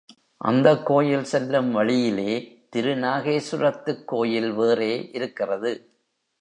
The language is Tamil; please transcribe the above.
அந்தக் கோயில் செல்லும் வழியிலே திருநாகேசுரத்துக் கோயில் வேறே இருக்கிறது.